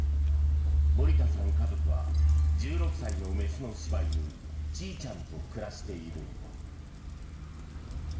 家族は１６歳の雌の柴犬、ちいちゃんと暮らしている。